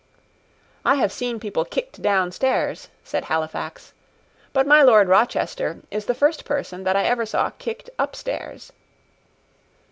"I have seen people kicked down stairs," said Halifax; "but my Lord Rochester is the first person that I ever saw kicked up stairs."